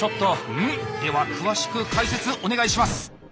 うん？では詳しく解説お願いします。